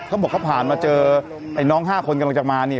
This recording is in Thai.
เขาบอกเขาผ่านมาเจอไอ้น้อง๕คนกำลังจะมาเนี่ย